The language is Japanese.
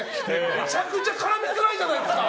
めちゃくちゃ絡みづらいじゃないですか。